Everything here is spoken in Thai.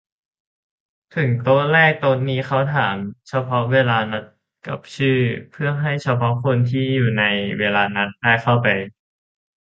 ถึงโต๊ะแรก โต๊ะนี้เขาถามเฉพาะเวลานัดกับชื่อ เพื่อให้เฉพาะคนที่อยู่ในเวลานัดได้เข้าไป